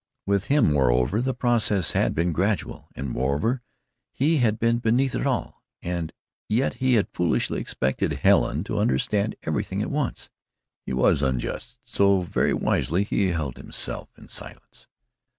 With him, moreover, the process had been gradual and, moreover, he had seen beneath it all. And yet he had foolishly expected Helen to understand everything at once. He was unjust, so very wisely he held himself in silence.